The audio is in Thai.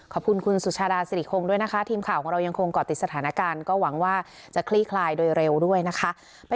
ขอบคุณคุณสุชาดาสิริคงด้วยนะคะทีมข่าวของเรายังคงเกาะติดสถานการณ์ก็หวังว่าจะคลี่คลายโดยเร็วด้วยนะคะ